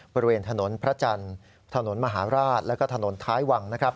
บริเวณถนนพระจันทร์ถนนมหาราชและถนนท้ายวัง